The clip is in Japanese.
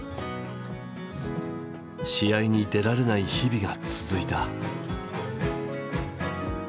試合に出られない日々が続いた。